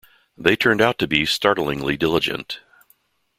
They turned out to be startlingly diligent.